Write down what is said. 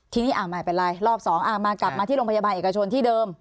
ทีนี้ไม่เป็นไรรอบสองมากลับมาที่โรงพยาบาลเอกชนที่เดิม